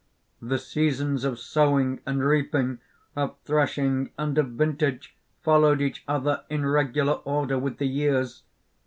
"The seasons of sowing and reaping, of threshing and of vintage, followed each other in regular order with the years.